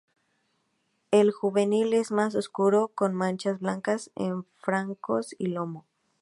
El juvenil es más oscuro, con manchas blancas en flancos y lomo.